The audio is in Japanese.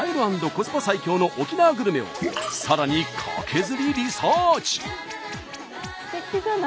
コスパ最強の沖縄グルメをさらにカケズリリサーチ！